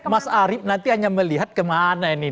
mas arief nanti hanya melihat kemana ini